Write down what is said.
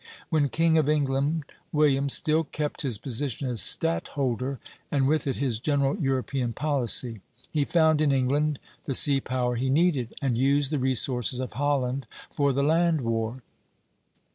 When king of England, William still kept his position as stadtholder, and with it his general European policy. He found in England the sea power he needed, and used the resources of Holland for the land war.